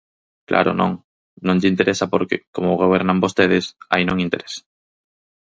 Claro, non, non lle interesa porque, como gobernan vostedes, aí non interesa.